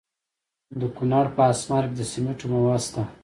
د کونړ په اسمار کې د سمنټو مواد شته.